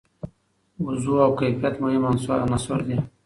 وضوح او کیفیت مهم عناصر دي.